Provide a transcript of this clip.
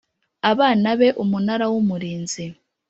abana be Umunara w Umurinzi